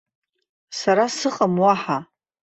Сара сыҟам уаҳа.